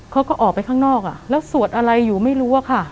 เขาก็ออกไปข้างนอกแล้วสวดอะไรอยู่ไม่รู้อะค่ะ